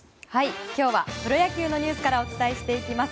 今日はプロ野球のニュースからお伝えしていきます。